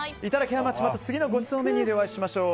ハウマッチ次のごちそうメニューでお会いしましょう。